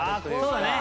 そうだね。